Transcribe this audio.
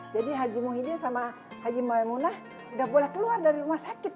jadi haji muhyiddin sama haji maimunah sudah boleh keluar dari rumah sakit ya